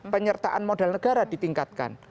penyertaan modal negara ditingkatkan